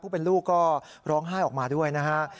เป็นลูกก็ร้องไห้ออกมาด้วยนะฮะ